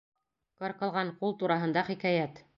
Ҡырҡылған ҡул тураһында хикәйәт